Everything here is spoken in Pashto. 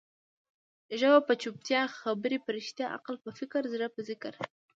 ژبه په چوپتيا، خبري په رښتیا، عقل په فکر، زړه په ذکر.